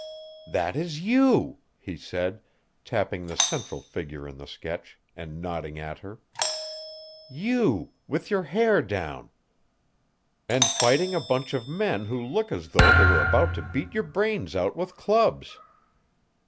"That is YOU," he said, tapping the central figure in the sketch, and nodding at her. "You with your hair down, and fighting a bunch of men who look as though they were about to beat your brains out with clubs!